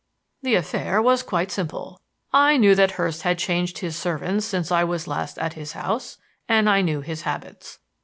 "The affair was quite simple. I knew that Hurst had changed his servants since I was last at his house, and I knew his habits.